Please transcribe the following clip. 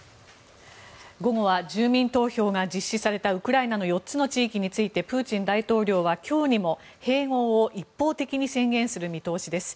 午後は住民投票が実施されたウクライナの４つの地域についてプーチン大統領は今日にも併合を一方的に宣言する見通しです。